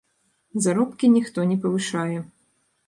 Заробкі ніхто не павышае.